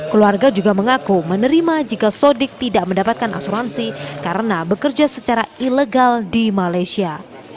keluarga juga mengaku menerima jika sodik tidak mendapatkan asuransi karena bekerja secara ilegal di malaysia